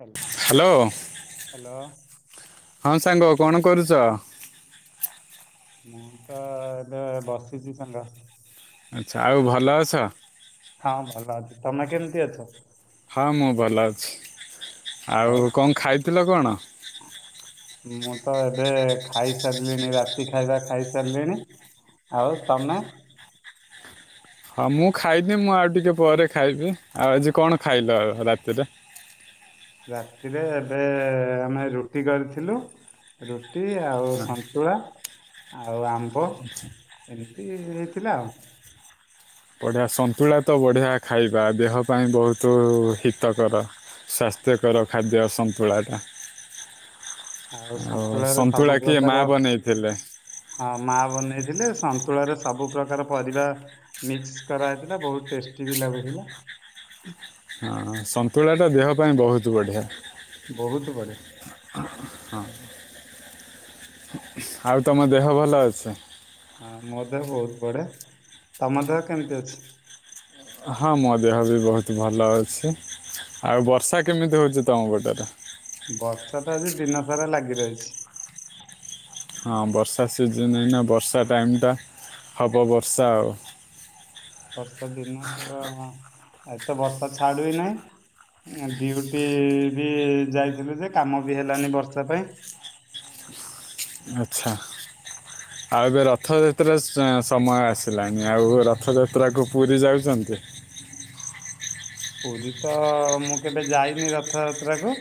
Hall hello, ହଁ ସାଙ୍ଗ କଣ କରୁଚ? ମୁଁ ତ ଏବେ ବସିଚି ସାଙ୍ଗ। ଆଚ୍ଛା ଆଉ ଭଲ ଅଛ। ହଁ ଭଲ ଅଛି। ତମେ କେମିତି ଅଛ? ହଁ ମୁଁ ଭଲ ଅଛି। ଆଉ କଣ ଖାଇଥିଲ କଣ? ହଁ ମୁଁ ତ ଏବେ ଖାଇ ସାରିଲିଣି ରାତି ଖାଇବା ଖାଇସାରିଲିଣି - - ଆଉ ତମେ ହଁ ମୁଁ ଖାଇନି ମୁଁ ଆଉ ଟିକେ ପରେ ଖାଇବି ଆଉ ଆଜି କଣ ଖାଇଲ ଆଉ ରାତିରେ। ରାତିରେ ଏବେ ଆମେ ରୁଟି କରିଥିଲୁ ରୁଟି ଆଉ ସନ୍ତୁଳା ଆଉ ଆମ୍ବ - - ଏମିତି ହେଇ ଥିଲା ଆଉ। ବଢିଆ ସନ୍ତୁଳା ତ ବଢିଆ ଖାଇବା ଦେହ ପାଇଁ ବହୁତ ହିତକର। ସ୍ଵାସ୍ଥ୍ୟକର ଖାଦ୍ୟ ସନ୍ତୁଳା ଟା। ଆଉ ସନ୍ତୁଳ ର ସନ୍ତୁଳା ସବୁ କିଏ ମା ପ୍ରକାର- - ବନେଇଥିଲେ ହଁ ମା ବନେଇଥିଲେ ସନ୍ତୁଳା ରେ ସବୁ ପ୍ରକାର ପରିବା- - ମିକ୍ସ କରାହୋଇଥିଲା ବହୁତ ଟେଷ୍ଟି ବି ଲାଗୁଥିଲା। ହଁ ସନ୍ତୁଳା ଟା ଦେହ ପାଇଁ ବହୁତ ବଢିଆ। ବହୁତ ବଢିଆ। ଆଉ ତମ ଦେହ ଭଲ ଅଛି। ହଁ ମୋ ଦେହ ବହୁତ ବଢିଆ ତମ ଦେହ କେମିତି ଅଛି? ହଁ ମୋ ଦେହ ବି ବହୁତ ଭଲ ଅଛି। ଆଉ ବର୍ଷା କେମିତି ହଉଛି ତମ ପଟରେ। ବର୍ଷା ତ ଆଜି ଦିନ ସାରା ଲାଗି ରହିଛି। ହଁ ବର୍ଷା ସିଜନ ଏଇନା, ବର୍ଷା ଟାଇମ୍ ଟା, ହବ ବର୍ଷା ଆଉ। ବର୍ଷା ଦିନ ସାରା, ଆଜି ତ ବର୍ଷା ଛାଡୁ ହି ନାହିଁ। ଡିୁଟି ବି ଯାଇଥିଲୁ ଯେ, କାମ ବି ହେଲାନି ବର୍ଷା ପାଇଁ। ଆଚ୍ଛା। [inaudible] ଆଉ ଏବେ ରଥଯାତ୍ରା ସମୟ ଆସିଲାନି, ଆଉ ରଥଯାତ୍ରାକୁ ପୁରୀ ଯାଉଛନ୍ତି। ପୁରୀ ତ ମୁଁ କେବେ ଯାଇନି ରଥଯାତ୍ରାକୁ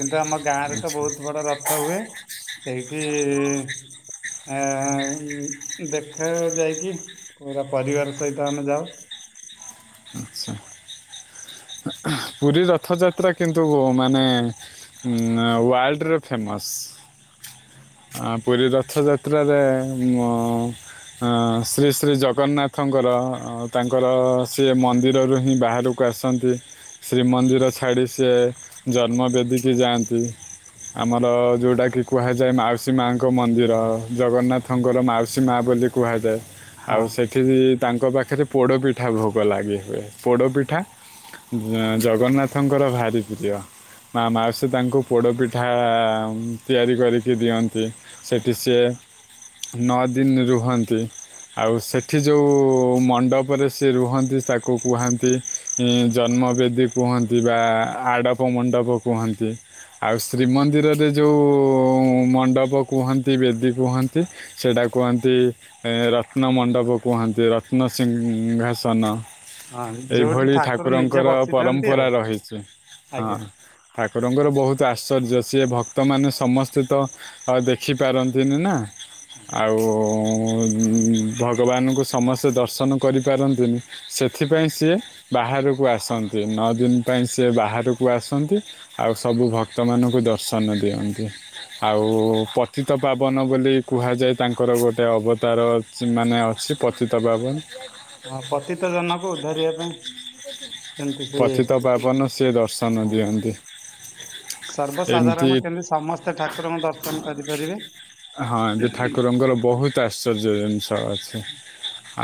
କିନ୍ତୁ ଆମ ଗାଁ ରେ ତ ଆଚ୍ଛା ବହୁତ ବଡ ରଥ ହୁଏ ସେଇଠି ଏ ଦେଖ ଯାଇକି, ପୁରା ପରିବାର ସହିତ ଆମେ ଯାଉ। ଆଚ୍ଛା। ପୁରୀ ରଥଯାତ୍ରା କିନ୍ତୁ ମାନେ ୱାର୍ଲଡର ଫେମସ୍। ପୁରୀ ରଥଯାତ୍ରାରେ ମୁଁ ଁ ଶ୍ରୀ ଶ୍ରୀ ଜଗନ୍ନାଥଙ୍କର ତାଙ୍କର ସିଏ ମନ୍ଦିରରୁ ହିଁ ବାହାରକୁ କୁ ଆସନ୍ତି। ଶ୍ରୀମନ୍ଦିର ଛାଡ଼ି ସେ, ଜନ୍ମ ବେଦିକି ଯାଆନ୍ତି। ଆମର ଯୋଉଟା କିି କୁହାଯାଏ ମାଉସୀ ମାଙ୍କ ମନ୍ଦିର। ଜଗନ୍ନାଥଙ୍କର ମାଉସୀ ମା ବୋଲି କୁହାଯାଏ। ହଁ ଆଉ ସେଠି ବି ତାଙ୍କ ପାଖରେ ପୋଡପିଠା ଭୋଗ ଲାଗି ହୁଏ। ପୋଡପିଠା। ଅଁ ଜଗନ୍ନାଥଙ୍କର ଭାରି ପ୍ରିୟ। ମା ମାଉସୀ ତାଙ୍କୁ ପୋଡ଼ପିଠା ତିଆରି କରିକି ଦିଅନ୍ତି। ସେଠି ସିଏ ନଅ ଦିନ ରୁହନ୍ତି। ଆଉ ସେଠି ଯୋଉ ମଣ୍ଡପରେ ସିଏ ରୁହନ୍ତି, ତାକୁ କୁହାନ୍ତି ଜନ୍ମ ବେଦୀ କୁହନ୍ତି ବା ଆଡ଼ପ ମଣ୍ଡପ କୁହନ୍ତି। ଆଉ ଶ୍ରୀମନ୍ଦିରରେ ଯୋଉ ମଣ୍ଡପ କୁହନ୍ତି ବେଦୀ କୁହନ୍ତି ସେଇଟା କୁହନ୍ତି, ଏଁ ରତ୍ନ ମଣ୍ଡପ କୁହନ୍ତି, ରତ୍ନ-ସିିଂହାସନ। ହଁ ଯୋଉଠି ଏଇଭଳି ଠାକୁର ନିଜେ ଠାକୁରଙ୍କର ବସିଥାନ୍ତି ଆଉ ପରମ୍ପରା ରହିଛି। ହଁ। ଆଜ୍ଞା। ଠାକୁରଙ୍କର ବହୁତ ଆଶ୍ଚର୍ଯ୍ୟ, ସିଏ ଭକ୍ତମାନେ ସମସ୍ତେ ତ ଆଉ ଦେଖି ପାରନ୍ତିନି ନା। ଆଉ ଭଗବାନଙ୍କୁ ସମସ୍ତେ ଦର୍ଶନ କରିପାରନ୍ତିନି। ସେଥିପାଇଁ ସିଏ ବାହାରକୁ ଆସ ନ୍ତି। ନଅ ଦିନ ପାଇଁ ସେ ବାହାରକୁ ଆସନ୍ତି ଆଉ ସବୁ ଭକ୍ତ ମାନଙ୍କୁ ଦର୍ଶନ ଦିଅନ୍ତି। ଆଉ ପତିତ ପାବନ ବୋଲି କୁହାଯାଏ, ତାଙ୍କର ଗୋଟେ ଅବତାର ମାନେ ଅଛି ପତିତପାବନ। ହଁ, ପତିତ ଜନକୁ ଉଦ୍ଧାରିବା ପାଇଁ କେମିତି ସେ ପତିତ ପାବନ ସିଏ ଦର୍ଶନ ହଁ ଦିଅନ୍ତି। ଏମିତି ସର୍ବସାଧାରଣ କେମତି ସମସ୍ତ ଠାକୁରଙ୍କ ଦର୍ଶନ କରିପାରିବେ। ହଁ ଯେ ଠାକୁରଙ୍କର ବହୁତ ଆଶ୍ଚର୍ଯ୍ୟ ଜିନିଷ ଅଛି।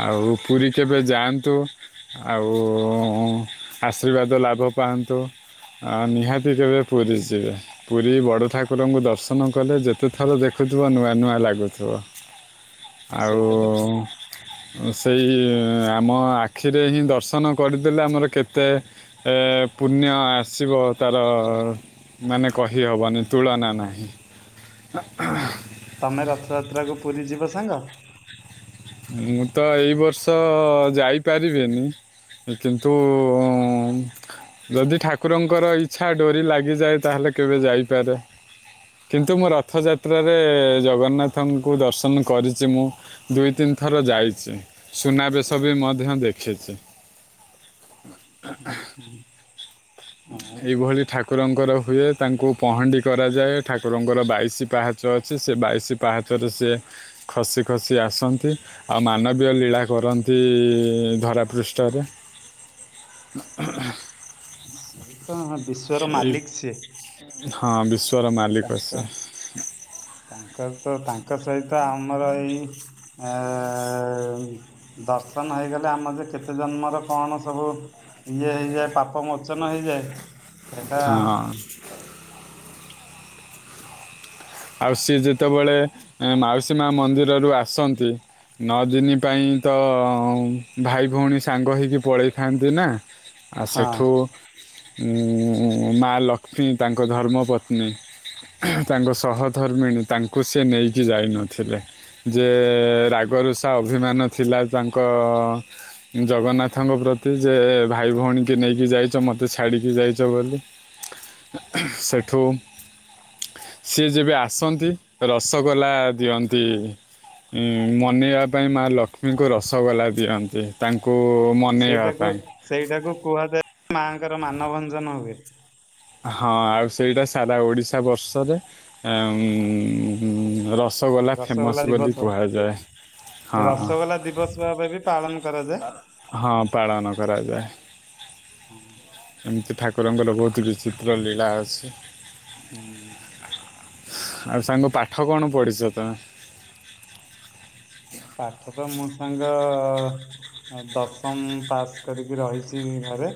ଆଉ ପୁରୀ କେବେ ଯାଆନ୍ତୁ। ଆଉ ଆଶୀର୍ବାଦ ଲାଭ ପାଆନ୍ତୁ। ଁ ନିହାତି କେବେ ପୁରୀ ଯିବେ। ପୁରୀ ବଡ଼ ଠାକୁରଙ୍କୁ ଦର୍ଶନ କଲେ, ଯେତେ ଥର ଦେଖୁଥିବ, ନୂଆ ନୂଆ ଲାଗୁଥିବ। ଆଉ ସେଇଟା ତ ଠିକ୍। ଅଁ ସେଇ ଇ ଇ ଆମ ଆଖିରେ ହିଁ ଦର୍ଶନ କରିଦେଲେ ଆମର ଖେତ୍ ତେ ଏ ଏ ପୁଣ୍ୟ ଆସିବ ତାର ଅ ଅ ଅ ମାନେ କହି ହବନି ତୁଳନା ନାହିଁ। ତମେ ରଥଯାତ୍ରା କୁ ପୁରୀ ଯିବ ସାଙ୍ଗ? ମୁଁ ତ ଏଇ ବର୍ଷ ଅ ଅ ଯାଇ ପାରିବିିନି। କିନ୍ତୁ ଉ ଉ ଯଦି ଠାକୁରଙ୍କର ଇଚ୍ଛା ଡୋରି ଲାଗିଯାଏ ତାହାଲେ କେବେ ଯାଇପାରେ। କିନ୍ତୁ ମୁଁ ରଥଯାତ୍ରାରେ ଏ ଏ ଜଗନ୍ନାଥଙ୍କୁ ଦର୍ଶନ କରିଚି ମୁଁ। ଦୁଇ ତିନି ଥର ଯାଇଚି ସୁନାବେଶ ବି ମଧ୍ୟ ଦେଖିଚି। ହୁଁ ହୁଁ। ଏଇ ଭଳି ଠାକ୍ କୁରଙ୍କର ହୁଏ ତାଙ୍କୁ ପହଣ୍ଡି କରାଯାଏ ଠାକୁରଙ୍କର ବାଇଶି ପାହାଚ ଅଛି ସେ ବାଇଶି ପାହାଚରୁ ସିଏ ଖସି ଖସି ଆସନ୍ତି। ଆଉ ମାନବୀୟ ଲୀଳା କରନ୍ତି ଇ ଇ ଇ ଧରାପୃଷ୍ଠରେ। [inaudible] ସେ ତଁ ବିଶ୍ଵର ଏଇ ମାଲିକ ସିଏ। ହଁ ବିଶ୍ ତାଙ୍କ ତାଙ୍କର ତ ତାଙ୍କ ସହିତ ଆମର ଏଇ ଆ ଆ ଆ ଆ ଆ ଉ ଦର୍ଶନ ହେଇଗଲେ ଆମର ଯେ କେତେ ଜନ୍ମର କଣ ସବୁ ଇଏ ହେଇଯାଏ ପାପ ମୋଚନ ହେଇଯାଏ ହେଟା ଅଁ ଆଉ ସିଏ ଯେତବଳେ ଏଁ ମାଉସୀ ମା ମନ୍ଦିରରୁ ଆସନ୍ତି ନଅ ଦିନି ପାଇଁ ତ ଅ ଅ ଅଂ ଭାଇ ଭଉଣୀ ସାଙ୍ଗ ହେଇକି ପଳେଇଥାନ୍ତି ନା। ଆ ହଁ ସେଠୁ ଉଁ ଉଁ ଉଁ ମା ଲକ୍ଷ୍ମୀ ତାଙ୍କ ଧର୍ମପତ୍ନୀ ତାଙ୍କ ସହଧର୍ମିଣୀ ତାଙ୍କୁ ସେ ନେଇକି ଯାଇନଥିଲେ। ଯେ ଏ ଏ ରାଗ ରୁଷା ଅଭିମାନ ଥିଲା ତାଙ୍କ ଅ ଅ ଜଗନ୍ନାଥଙ୍କ ପ୍ରତି ଯେ ଏ ଏ ଭାଇ ଭଉଣୀ କି ନେଇକି ଯାଇଚ ମତେ ଛାଡ଼ିକି ଯାଇଚ ବୋଲି। ହ ଅ ହଁ ସେଠୁ ସିଏ ଯେବେ ଆସନ୍ତି ରସଗୋଲା ଦିଅନ୍ତି ଇଁ ମନେଇବା ପାଇଁ ମା ଲକ୍ଷ୍ମୀଙ୍କୁ ରସଗୋଲା ଦିଅନ୍ତି ତାଙ୍କୁ ଉ ଉ ଉ ସେଇଟାକୁ ସେଇଟାକୁ କୁହାଯାଏ ମାଆଙ୍କର ମାନଭଞ୍ଜନ ହୁଏ। ହଁ ଆଉ ସେଇଟା ସାରା ଓଡ଼ିଶା ବର୍ଷରେ ଏଁ ଉଁ ଉଁ ଉଁ ଉଁ ରସଗୋଲା ଫେମସ୍ ବୋଲି କୁହାଯାଏ। ହଁ ହଁ ରସଗୋଲା ଦିବସ ଭାବେ ବି ପାଳନ କରାଯାଏ। ହଁ ପାଳନ କରାଯାଏ। ହୁଁ। ଏମିତି ଠାକୁରଙ୍କର ବହୁତ ବିଚିତ୍ର ଲୀଳା ଅଛି। ହୁଁ। ଆଉ ସାଙ୍ଗ ପାଠ କଣ ପଢ଼ିଚ ତମେ? ପାଠ ତ ମୁଁ ସାଙ୍ଗ ଅ ଅ ଆଉ ଦଶମ ପାସ୍ କରିକି ରହିଚି ଘରେ।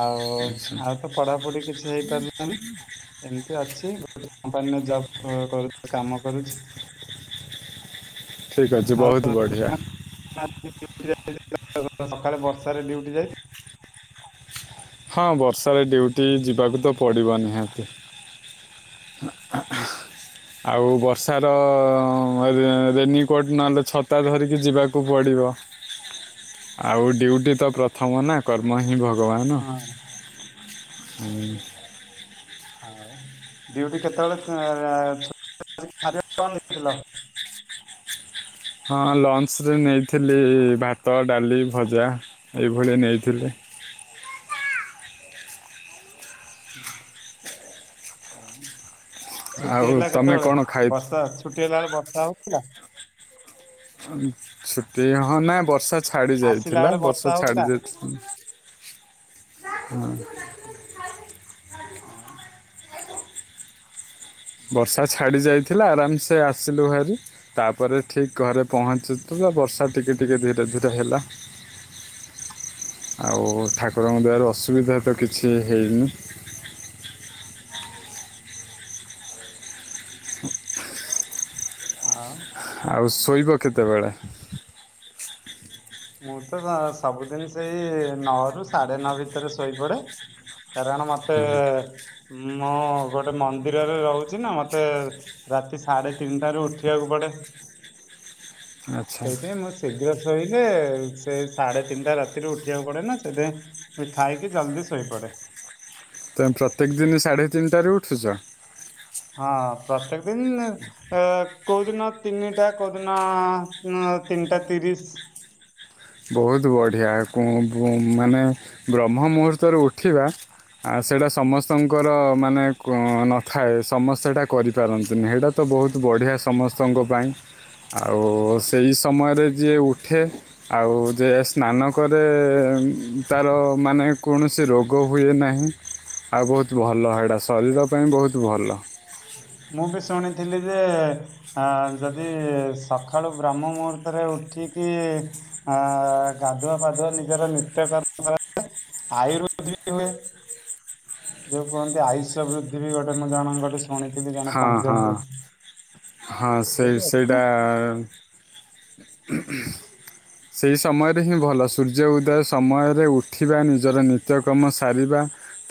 ଆଉ ଆଚ୍ଛା ଆଉ ତ ପଢ଼ାପୁଢ଼ି କିଛି ହେଇ ପାରିଲାନି। ଏମିତି ଅଛି ଗୋଟେ କମ୍ପାନୀରେ ଜବ କରୁଛି କାମ କରୁଛି। ଠିକ୍ ଅଛି ଆଉ ବହୁତ ବଢ଼ିଆ। ତମେ [inaudible] ସକାଳେ ବର୍ଷାରେ ଡ୍ୟୁଟି ଯାଇଥିଲ। ହଁ ବର୍ଷାରେ ଡ୍ୟୁଟି ଯିବାକୁ ତ ପଡିବ ନିହାତି। [unintelligible] ଆଉ ବର୍ଷାର ରେନିକୋଟ୍ ନହେଲେ ଛତା ଧରିକି ଯିବାକୁ ପଡ଼ିବ। [unintelligible] ଆଉ ଡ୍ୟୁଟି ତ ପ୍ରଥମ ନା କର୍ମ ହିଁ ଭଗବାନ। ହଁ ଆଉ। ଆଉ ଡ୍ୟୁଟି କେତେବେଳେ ତା ଛୁ। ଖା ଆରେ। କଣ ନେଇଥିଲ। ହଁ ଲଞ୍ଚ ରେ ନେଇଥିଲି ଭାତ, ଡାଲି, ଭଜା। ଏଇଭଳିଆ ନେଇଥିଲେ। ହୁଁ ହଁ। ଛୁଟି ଆଉ ହେଲା ତମେ କେତେବେଳେ କ'ଣ ଖାଇ ବର୍ଷା ଛୁଟି ହେଲା ବେଳେ ବର୍ଷା ହଉଥିଲା। ଛୁଟି ହଁ ନା ବର୍ଷା ଛାଡି ଆସିଲା ଯାଇଥିଲା ବେଳେ ବର୍ଷା ଛାଡି ହଉଥିଲା ଯାଇଛି। [inaudible] ହୁଁ। ଓ ହ ହଁ ବର୍ଷା ସେ- ଛାଡି ଯାଇଥିଲା ଆରାମସେ ଆସିଲୁ ଭାରି। ତାପରେ ଠିକ ଘରେ ପହଞ୍ଚୁ ବର୍ଷା ଟିକେ ଟିକେ ଧୀରେ ଧୀରେ ହେଲା। [unintelligible] ଆଉ ଠାକୁରଙ୍କ ଦ୍ଵାରୁ ଅସୁବିଧା ତ କିଛି ହେଇନି। [unintelligible] ଆଁ। ଆଉ ଶୋଇବ କେତେବେଳେ। [unintelligible] ମୁଁ ତ ସବୁଦିନ ସେଇ ନଅ ରୁ ସାଢେ ନଅ ଭିତରେ ଶୋଇପଡେ। କାରଣ ମତେ ମୁଁ ଗୋଟେ ମନ୍ଦିରରେ ରହୁଛି ନା ମତେ। ରାତି ସାଢେ ତିନିଟାରୁ ଉଠିବାକୁ ପଡେ ଆଚ୍ଛା ସେଇଥିପାଇଁ ମୁଁ ଶୀଘ୍ର ଶୋଇଲେ ସେ ସାଢେ ତିନିଟା ରାତିରୁ ଉଠିବାକୁ ପଡେ ନା ସେଥିପାଇଁ। ସେ ଖାଇକି ଜଲ୍ଦି ଶୋଇପଡେ। ତମେ ପ୍ରତ୍ୟେକ ଦିନି ସାଢ଼େ ତିନିଟାରେ ଉଠୁଛ। ହଁ ପ୍ରତ୍ୟେକ ଦିନି। ଆ କୋଉଦିନ ତିନିଟା କୋଉଦିନ ଆ ତିନିଟା ତିରିଶ। ବହୁତ ବଢିଆ ମାନେ ବ୍ରହ୍ମ ମୁହୂର୍ତ୍ତରୁ ଉଠିବା। ଆ ସେଟା ସମସ୍ତଙ୍କର ମାନେ କ ନଥାଏ ସମସ୍ତେ ସେଟା କରିପାରନ୍ତିନି ହେଟା। ତ ବହୁତ ବଢ଼ିଆ ସମସ୍ତଙ୍କ ପାଇଁ। ଆଉ ସେଇ ସମୟରେ ଯିଏ ଉଠେ। ଆଉ ଯେ ସ୍ନାନ କରେ ତାର ମାନେ କୌଣସି ରୋଗ। ରୋଗ ହୁଏ ନାହିଁ ଆଉ ବହୁତ ଭଲ ହେଟା ଶରୀର ପାଇଁ ବହୁତ ଭଲ। ମୁଁ ବି ଶୁଣିଥିଲି ଯେ। ଆ ଯଦି ସକାଳୁ ବ୍ରହ୍ମ ମୁହୂର୍ତ୍ତରେ ଉଠିକି। ଆ ଗାଧୁଆ, ପାାଧୁଆ ନିଜର ନିତ୍ୟକରଣ ସ। ଆୟୁର୍ବେଦ ବିତି ମେ। ଯୋଉ କୁହନ୍ତି ଆୟୁଷ ବୃଦ୍ଧି ବି ଘଟେ ମୁଁ ଜଣଙ୍କ ଠୁ ଶୁଣିଥିଲି ଜଣେ ହଁ ପଣ୍ଡିତ ହଁ ହଁ ସେଇ ସେଇଟା ସେହି ସମୟରେ ହିଁ ଭଲ ସୂର୍ଯ୍ୟ ଉଦୟ ସମୟରେ ଉଠିବା ନିଜର ନିତ୍ୟକର୍ମ ସାରିବା।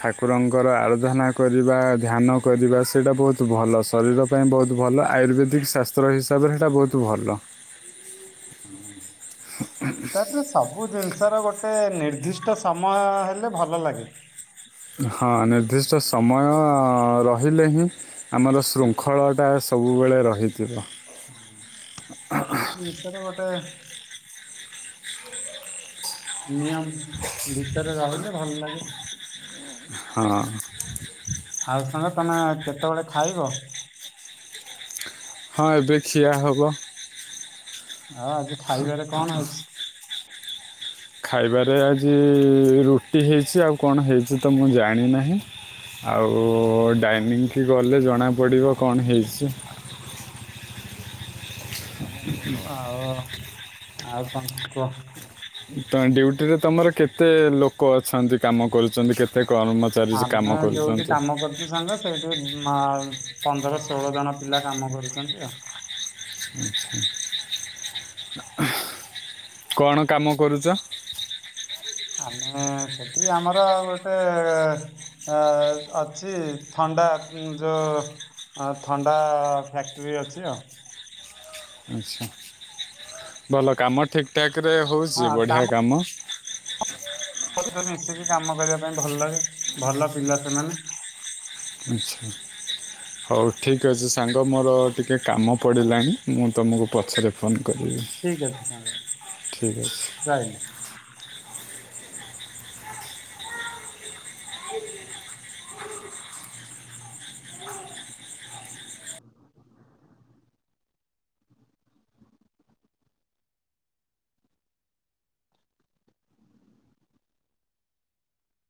ଠାକୁରଙ୍କର ଆରାଧନା କରିବା ଧ୍ୟାନ କରିବା ସେଇଟା ବହୁତ ଭଲ ଶରୀର ପାଇଁ ବହୁତ ଭଲ ଆ ଆୟୁର୍ବେଦିକ ଶାସ୍ତ୍ର ହିସାବରେ ସେଇଟା ବହୁତ ଭଲ। ଅଁ। ତାପରେ ସବୁ ଜିନିଷର ଗୋଟେ ନିର୍ଦ୍ଦିଷ୍ଟ ସମୟ ହେଲେ ଭଲ ଲାଗେ। ହଁ ନିର୍ଦ୍ଦିଷ୍ଟ ସମୟ ରହିଲେ ହିଁ ଆମର ଶୃଙ୍ଖଳଟା ସବୁବେଳେ ରହିଥିବ। ହୁଁ ପ୍ରତ୍ୟେକ ଜିନିଷରେ ଗୋଟେ ନିୟମ ଭିତରେ ରହିଲେ ଭଲ ଲାଗେ। ହଁ। ଆଉ ସାଙ୍ଗ ତମେ କେତେବେଳେ ଖାଇବ? ହଁ ଏବେ ଖିଆ ହବ। ଆଉ ଆଜି ଖାଇବାରେ କଣ ହେଇଚି? ଖାଇବାରେ ଆଜି ରୁଟି ହେଇଚି, ଆଉ କଣ ହେଇଚି ତ ମୁଁ ଜାଣିନାହିଁ। ଆଉ ଡାଇନିଂ କି ଗଲେ ଜଣାପଡ଼ିବ କଣ ହେଇଚି। ଏଇଭଳିଆ ସବୁ ଆଉ ଆଉ କଣ କୁହ? ତ ଡ୍ୟୁଟି ରେ ତମର କେତେ ଲୋକ ଅଛନ୍ତି କାମ କରୁଚନ୍ତି କେତେ କର୍ମ ଆମେ ଯୋଉଠି କାମ କରୁ ଚୁ ସାଙ୍ଗ ସେଇଠି ପନ୍ଦର ଷୋହଳ ଜଣ ପିଲା କାମ କରୁଚନ୍ତି ଆଉ। ଆଛା କଣ କାମ କରୁଚ? ଆମେ ସେଠି ଆମର ଗୋଟେ ଆ ଅଛି ଥଣ୍ଡା ଯୋଉ ଅ ଥଣ୍ଡା ଫ୍ୟାକ୍ଟ୍ରି ଅଛି ଆଉ। ଆଚ୍ଛା ଭଲ କାମ ଠିକ୍ ଠାକ୍ ରେ ହଁ ହଉଚି ବଢ଼ିଆ କାମ। ମତେ ତ ମିଶିକି କାମ କରିବାପାଇଁ ଭଲ ଲାଗେ ଭଲ ପିଲା ସେମାନେ। ଆଚ୍ଛା। ହଉ ଠିକ୍ ଅଛି ସାଙ୍ଗ ମୋର ଟିକେ କାମ ପଡ଼ିଲାଣି ମୁଁ ତମକୁ ପଛରେ ଫୋନ୍ କରିବି। ଠିକ ଅଛି ସାଙ୍ଗ ଠିକ୍ ଅଛି ରହିଲି।